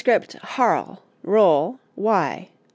Harl. Roll, Y.